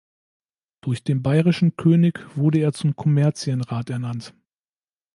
Durch den bayerischen König wurde er zum Kommerzienrat ernannt.